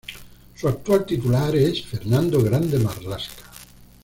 Su actual titular es Fernando Grande-Marlaska.